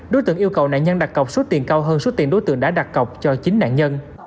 đối tượng yêu cầu nạn nhân đặt cọc số tiền cao hơn số tiền đối tượng đã đặt cọc cho chính nạn nhân